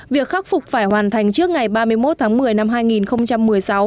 việc khắc phục phải hoàn thành trước ngày ba mươi một tháng một mươi năm hai nghìn một mươi sáu